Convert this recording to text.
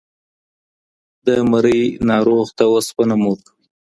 د مرۍ ناروغ ته اوسپنه مه ورکوئ.